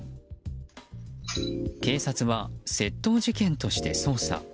警察は窃盗事件として捜査。